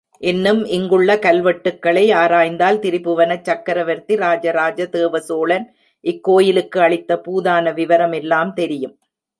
இன்னும் இங்குள்ள கல்வெட்டுக்களை ஆராய்ந்தால் திரிபுவனச் சக்கரவர்த்தி ராஜராஜ தேவசோழன் இக்கோயிலுக்கு அளித்த பூதான விவரம் எல்லாம் தெரியும்.